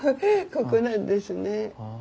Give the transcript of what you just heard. ここなんですね。